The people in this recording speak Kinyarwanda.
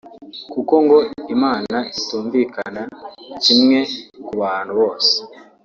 kuko ngo Imana itumvikana kimwe ku bantu bose